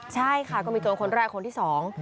ใช่ค่ะก็มีโจรคนแรกคนที่สอง